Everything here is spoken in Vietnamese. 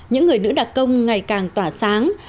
những người nữ đặc công ngày càng tỏa sáng